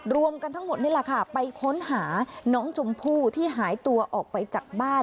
รวมกันทั้งหมดนี่แหละค่ะไปค้นหาน้องชมพู่ที่หายตัวออกไปจากบ้าน